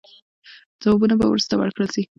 ځوابونه به وروسته ورکړل سي.